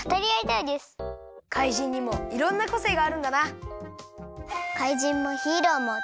怪人にもいろんなこせいがあるんだなあ。